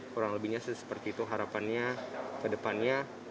kurang lebihnya seperti itu harapannya kedepannya